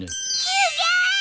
すげえ！